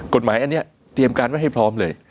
กฎหมายอันนี้เตรียมการไว้ให้พร้อมเลย